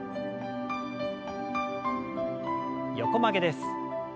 横曲げです。